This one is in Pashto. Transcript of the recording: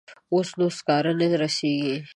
اوس نو سکاره نه رسیږي.